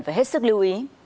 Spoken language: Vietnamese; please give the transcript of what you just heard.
phải hết sức lưu ý